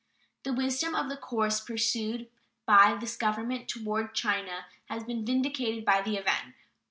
The wisdom of the course pursued by this Government toward China has been vindicated by the event.